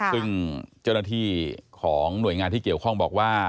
ซึ่งเจ้าหน้าที่ของหน่วยงานที่เกี่ยวข้องบอกว่า